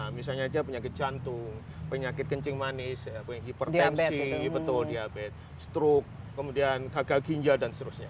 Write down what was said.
misalnya saja penyakit jantung penyakit kencing manis hipertensi betul diabetes stroke kemudian gagal ginjal dan seterusnya